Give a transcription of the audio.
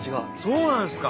そうなんですか。